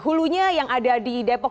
hulunya yang ada di depok